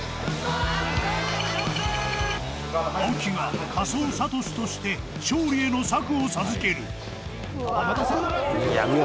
［青木が仮想サトシとして勝利への策を授ける］